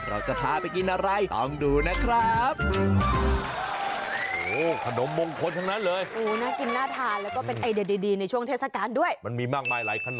เราจะพาไปกินอะไรลองดูนะครับ